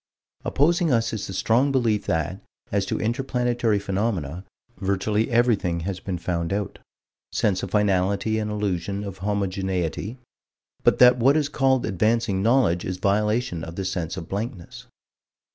Opposing us is the strong belief that, as to inter planetary phenomena, virtually everything has been found out. Sense of finality and illusion of homogeneity. But that what is called advancing knowledge is violation of the sense of blankness.